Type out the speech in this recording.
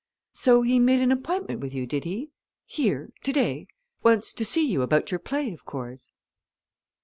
So he made an appointment with you, did he here, today? Wants to see you about your play, of course."